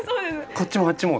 「こっちもあっちも！」